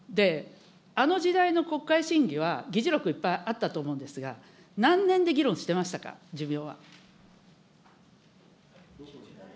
あの時代の国会審議は、議事録いっぱいあったと思うんですが、何年で議論してましたか、寿命は。